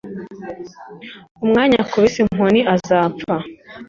umwanya akubise inkoni azapfa